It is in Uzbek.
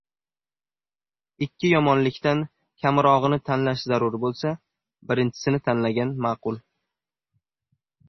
Ikki yomonlikdan kamrog‘ini tanlash zarur bo‘lsa, birinchisini tanlagan ma’qul.